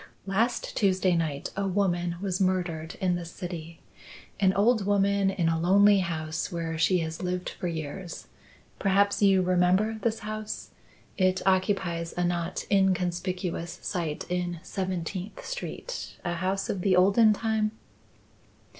"Last Tuesday night a woman was murdered in this city; an old woman, in a lonely house where she has lived for years. Perhaps you remember this house? It occupies a not inconspicuous site in Seventeenth Street a house of the olden time?"